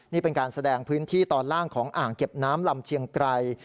นี่เป็นการแสดงพื้นที่ตอนล่างของอ่างเก็บน้ำลำเชียงไกร